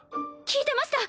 聞いてました。